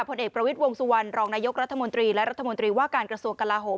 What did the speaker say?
ผลเอกประวิทย์วงสุวรรณรองนายกรัฐมนตรีและรัฐมนตรีว่าการกระทรวงกลาโหม